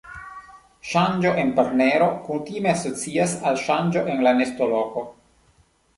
Ŝanĝo en partnero kutime asocias kun ŝanĝo en la nestoloko.